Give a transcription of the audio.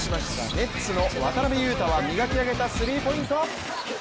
ネッツの渡邊雄太は磨き上げたスリーポイント。